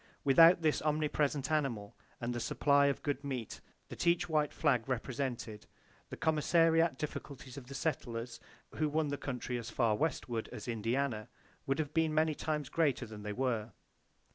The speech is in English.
Without this omnipresent animal, and the supply of good meat that each white flag represented, the commissariat difficulties of the settlers who won the country as far westward as Indiana would have been many times greater than they were.